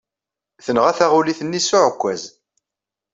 Tenɣa taɣulit-nni s uɛekkaz.